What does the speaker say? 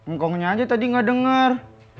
ngkongnya aja tadi gak denger